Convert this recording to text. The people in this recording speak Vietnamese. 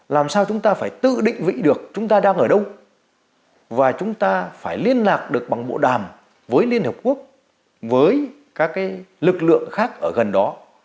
làm sao chúng ta phải tự định vị được chúng ta đang ở đâu và chúng ta phải liên lạc được bằng bộ đàm với liên hợp quốc với các lực lượng khác ở gần đó